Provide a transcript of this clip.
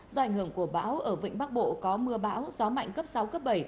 do ảnh hưởng của bão ở vịnh bắc bộ có mưa bão gió mạnh cấp sáu cấp bảy